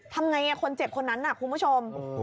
ทำไงคนเจ็บคนนั้นน่ะคุณผู้ชม